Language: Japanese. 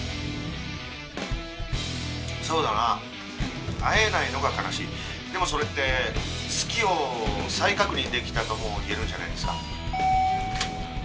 そうだな会えないのが悲しいでもそれって好きを再確認できたとも言えるんじゃないですか？